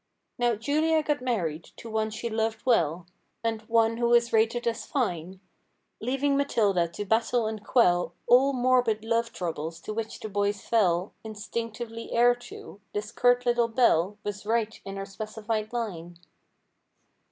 Now Julia got married, to one she loved well. And, one who was rated as fine; Leaving Matilda to battle and quell All morbid love troubles to which the boys fell Instinctively heir to. This curt little belle Was right in her specified line.